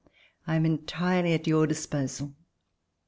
I am entirely at your disposal."